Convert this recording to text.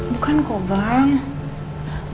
bukan kok bang